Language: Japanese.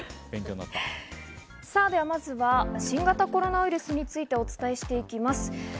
まずは新型コロナウイルスについてお伝えしていきます。